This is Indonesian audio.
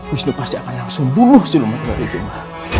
wisnu pasti akan langsung bunuh siluman ular itu ma